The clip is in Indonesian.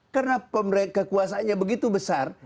karena kekuasanya begitu besar